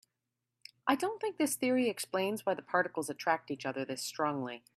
I don't think this theory explains why the particles attract each other this strongly.